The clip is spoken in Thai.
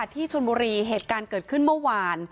ที่ชนบุรีเหตุการณ์เกิดขึ้นเมื่อวาน